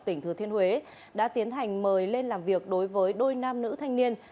tỉnh thừa thiên huế đã tiến hành mời lên làm việc đối với đôi nam nữ thanh niên